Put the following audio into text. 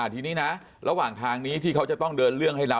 ทีนี้นะระหว่างทางนี้ที่เขาจะต้องเดินเรื่องให้เรา